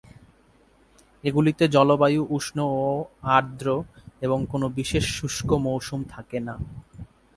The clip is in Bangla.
এগুলিতে জলবায়ু উষ্ণ ও আর্দ্র এবং কোন বিশেষ শুষ্ক মৌসুম থাকে না।